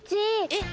えっ。